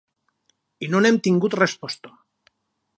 I no n’hem tingut resposta.